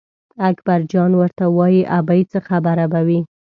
اکبرجان ورته وایي ابۍ څه خبره به وي.